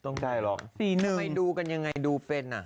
นี่ต้องได้หรอก